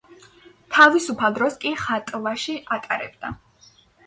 თავისუფალ დროს კი ხატვაში ატარებდა.